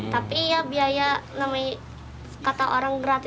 tapi ya biaya namanya kata orang gratis